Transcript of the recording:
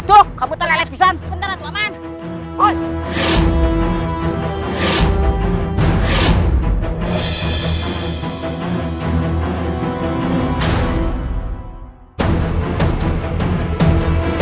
adalah besok kamu sebeban sebentar dendam hai hai